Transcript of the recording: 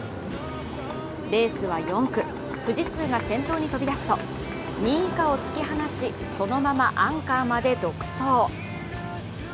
レースは４区、富士通が先頭に飛び出すと２位以下を突き放しそのままアンカーまで独走。